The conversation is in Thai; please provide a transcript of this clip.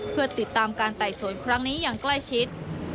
เพื่อติดตามการไต่สวนครั้งนี้อย่างใกล้ชิด